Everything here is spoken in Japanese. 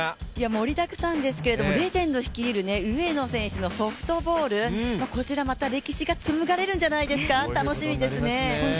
盛りだくさんですがレジェンド率いる、上野選手のソフトボール、こちらまた歴史が紡がれるんじゃないですか楽しみですね。